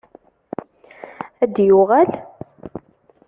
Ad d-yuɣal?